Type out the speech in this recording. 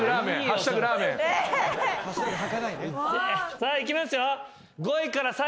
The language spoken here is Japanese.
さあいきますよ。